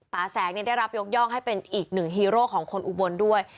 แสงได้รับยกย่องให้เป็นอีกหนึ่งฮีโร่ของคนอุบลด้วย